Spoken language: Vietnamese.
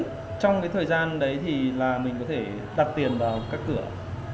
trong cái thời gian đấy thì là mình có thể đặt tiền vào các cửa